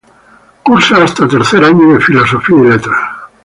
Cursa hasta tercer año de Filosofía y Letras.